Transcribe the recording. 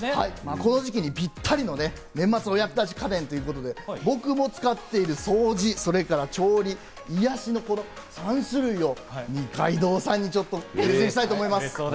この時期にぴったりの年末お役立ち家電ということで僕も使っている掃除、それから調理、癒やしの３種類を二階堂さんにちょっとプレゼンしたいと思います。